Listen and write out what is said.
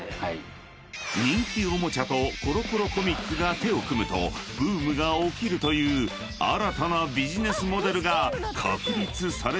［人気おもちゃと『コロコロコミック』が手を組むとブームが起きるという新たなビジネスモデルが確立されたのだ］